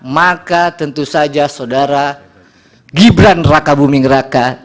maka tentu saja saudara gibran raka buming raka